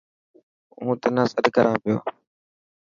هون تنا سڏ ڪران پيو.